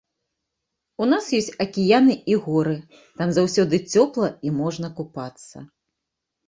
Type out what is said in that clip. У нас ёсць акіян і горы, там заўсёды цёпла і можна купацца.